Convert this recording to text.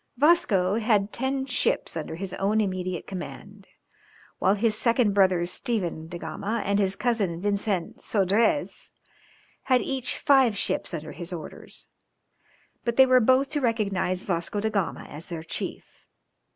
Vasco had ten ships under his own immediate command, while his second brother Stephen da Gama, and his cousin Vincent Sodrez, had each five ships under his orders, but they were both to recognise Vasco da Gama as their chief.